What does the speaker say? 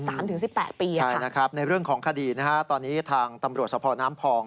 ใช่นะครับในเรื่องของคดีตอนนี้ทางตำรวจศพน้ำพอง